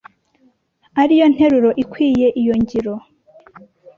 Ariyo ntero ikwiye iyo ngiro